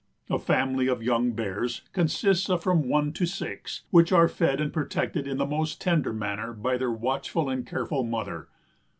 A family of young Bears consists of from one to six, which are fed and protected in the most tender manner by their watchful and careful mother.